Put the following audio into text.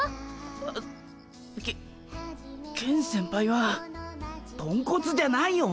あケケン先輩はポンコツじゃないよ。